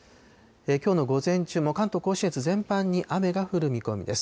きょうの午前中、関東甲信越全般に雨が降る見込みです。